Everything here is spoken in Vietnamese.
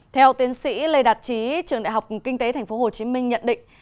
theo tiến sĩ lê đạt trí trường đại học kinh tế tp hcm nhận định